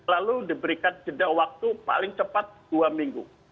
lalu diberikan jeda waktu paling cepat dua minggu